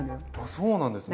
そうなんですね。